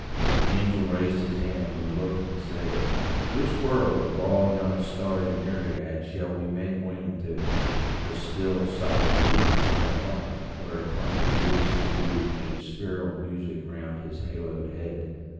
The angel raised his hand and looked and said, "Which world, of all yon starry myriad Shall we make wing to?" The still solitude Became a harp whereon his voice and mood Made spheral music round his haloed head.